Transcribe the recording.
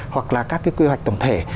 hoặc là các cái quy hoạch tổng thể